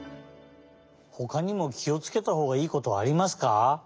ほかにもきをつけたほうがいいことはありますか？